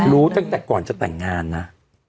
รู้ตั้งแต่ก่อนจะแต่งงานนะ